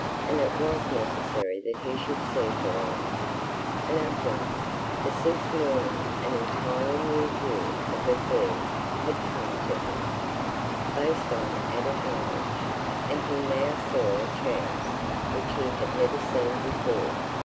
And it was necessary that he should see her alone, and at once, for since morning an entirely new view of affairs had come to him, based on added knowledge, and he now saw a chance which he had never seen before.